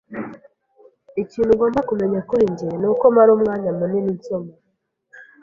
Ikintu ugomba kumenya kuri njye nuko mara umwanya munini nsoma.